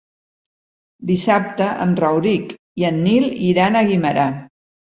Dissabte en Rauric i en Nil iran a Guimerà.